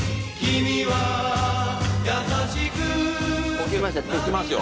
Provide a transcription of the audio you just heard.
着きますよ。